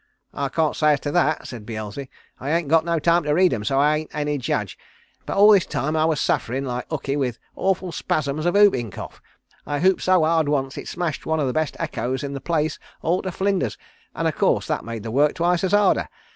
"I can't say as to that," said Beelzy. "I ain't got time to read 'em and so I ain't any judge. But all this time I was sufferin' like hookey with awful spasms of whoopin' cough. I whooped so hard once it smashed one o' the best echoes in the place all to flinders, an' of course that made the work twice as harder.